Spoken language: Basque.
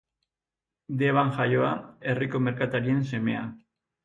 Deban jaioa, herriko merkatarien semea.